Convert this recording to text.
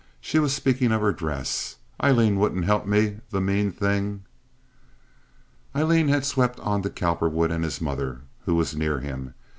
She was speaking of her dress. "Aileen wouldn't help me—the mean thing!" Aileen had swept on to Cowperwood and his mother, who was near him.